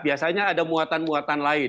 biasanya ada muatan muatan lain